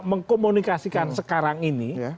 mengkomunikasikan sekarang ini